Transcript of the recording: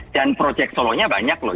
dan projek solo nya banyak loh